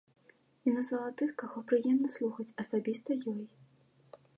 І назвала тых, каго прыемна слухаць асабіста ёй.